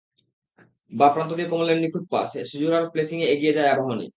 বাঁ প্রান্ত দিয়ে কোমলের নিখুঁত পাস, সিজোবার প্লেসিংয়ে এগিয়ে যায় আবাহনী।